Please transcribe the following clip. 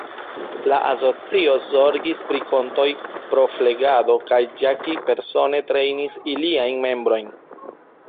La asocio zorgis pri kontoj pro flegado kaj Jackie persone trejnis iliajn membrojn.